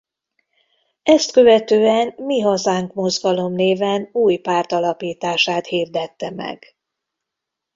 Ezt követően Mi Hazánk Mozgalom néven új párt alapítását hirdette meg.